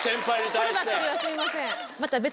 こればっかりはすいません。